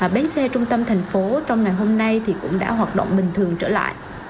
bến xe trung tâm thành phố trong ngày hôm nay thì cũng đã hoạt động bình thường trở lại